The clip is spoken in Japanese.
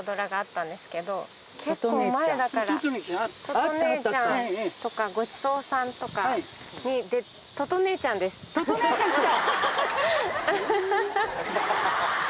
『とと姉ちゃん』とか『ごちそうさん』とかに。とと姉ちゃん来た！